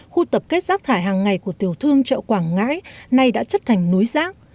khu tập kết rác thải hàng ngày của tiểu thương chợ quảng ngãi nay đã chất thành núi rác